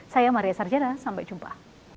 saya maria sarjana sampai jumpa